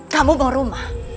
kamu mau rumah